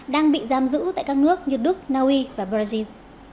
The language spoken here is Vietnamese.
đang bị giam giữ tại các nước như đức naui và brazil